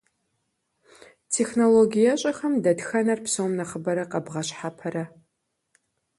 Технологиещӏэхэм дэтхэнэхэр псом нэхъыбэрэ къэбгъэщхьэпэрэ?